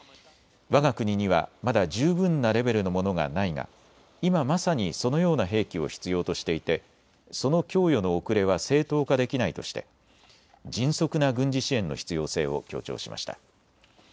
わが国にはまだ十分なレベルのものがないが今まさにそのような兵器を必要としていてその供与の遅れは正当化できないとして迅速な軍事支援の必要性を強調しました。